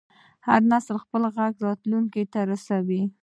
هر نسل خپل غږ راتلونکي ته رسوي.